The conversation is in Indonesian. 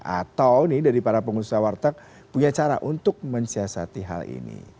atau nih dari para pengusaha warteg punya cara untuk mensiasati hal ini